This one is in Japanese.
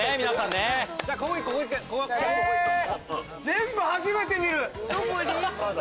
全部初めて見る！